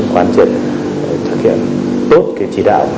hoàn thiện thực hiện tốt cái chỉ đạo